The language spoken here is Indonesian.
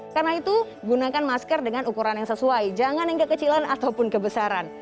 karena itu gunakan masker dengan ukuran yang sesuai jangan yang kekecilan ataupun kebesaran